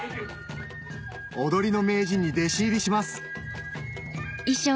踊りの名人に弟子入りします